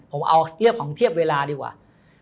ผมเอาเรียบของเทียบเวลาดีกว่า